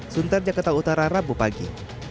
sunter jakarta utara rabu pagi